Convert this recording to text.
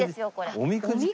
おみくじか。